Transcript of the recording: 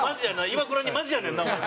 イワクラにマジやねんなお前。